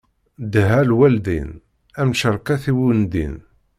Ddeɛɛa lwaldin, am tceṛket i undin.